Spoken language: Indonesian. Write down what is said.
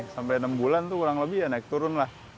sampai enam bulan itu kurang lebih ya naik turun lah